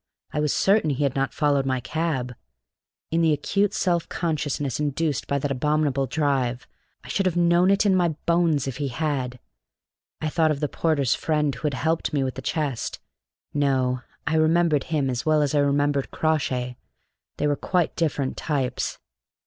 I was certain he had not followed my cab: in the acute self consciousness induced by that abominable drive, I should have known it in my bones if he had. I thought of the porter's friend who had helped me with the chest. No, I remember him as well as I remembered Crawshay; they were quite different types.